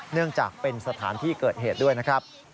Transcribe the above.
เนื่องจากเป็นสถานที่เกิดเหตุด้วยนะครับ